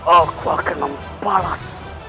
aku akan membalas